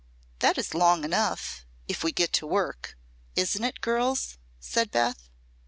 "That is long enough, if we get to work. Isn't it, girls?" said Beth.